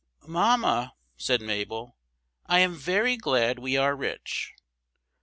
"MAMMA," said Mabel, "I am very glad we are rich!"